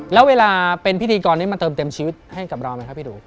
แล้วเวลาเป็นพิธีกรนี้มันเติมเต็มชีวิตให้กับเราไหมครับพี่หนู